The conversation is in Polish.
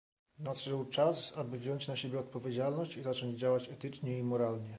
Nadszedł czas, aby wziąć na siebie odpowiedzialność i zacząć działać etycznie i moralnie